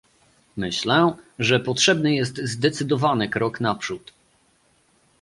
Myślę, że potrzebny jest zdecydowany krok naprzód